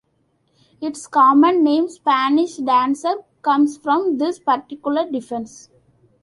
Its common name, Spanish dancer, comes from this particular defense.